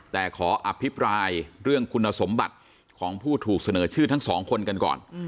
แต่ขออภิปรายเรื่องคุณสมบัติของผู้ถูกเสนอชื่อทั้งสองคนกันก่อน